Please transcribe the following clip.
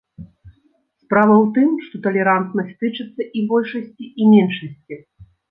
Справа ў тым, што талерантнасць тычыцца і большасці, і меншасці.